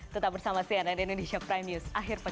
tetap bersama sian dan indonesia prime news akhir pekan